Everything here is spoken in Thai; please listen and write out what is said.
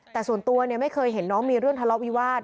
แต่ส่วนตัวไม่เคยเห็นน้องมีเรื่องทะเลาะวิวาส